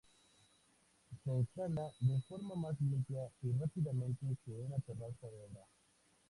Se instala de forma más limpia y rápidamente que una terraza de obra.